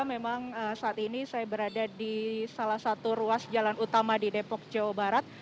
memang saat ini saya berada di salah satu ruas jalan utama di depok jawa barat